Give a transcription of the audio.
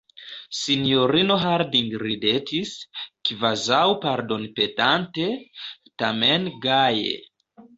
Sinjorino Harding ridetis, kvazaŭ pardonpetante, tamen gaje: